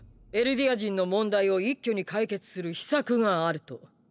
エルディア人の問題を一挙に解決する「秘策」があると。